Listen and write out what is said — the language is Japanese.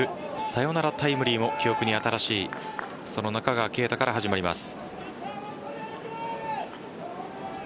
サヨナラタイムリーも記憶に新しいその中川圭太から始まります。